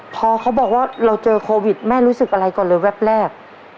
พอเขาบอกว่าเราเจอโควิดแม่รู้สึกอะไรก่อนเลยแวบแรก